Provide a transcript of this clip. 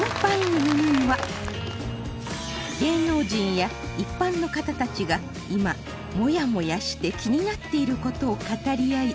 芸能人や一般の方たちが今モヤモヤして気になっている事を語り合い